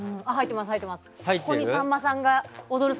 ここにさんまさんが「踊る！